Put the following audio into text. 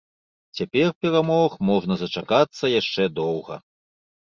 Цяпер перамог можна зачакацца яшчэ доўга.